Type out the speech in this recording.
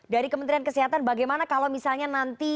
dari kementerian kesehatan bagaimana kalau misalnya nanti